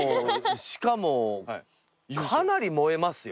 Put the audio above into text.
しかもかなり燃えますよ。